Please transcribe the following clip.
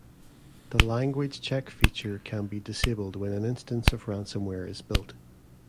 The language check feature can be disabled when an instance of ransomware is built.